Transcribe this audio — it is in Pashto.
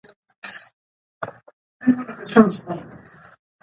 بل په یو ساه وېل کېږي.